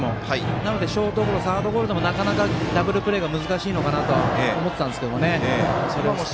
なのでショートゴロサードゴロでもなかなかダブルプレーが難しいのかなと思ってたんですけどね。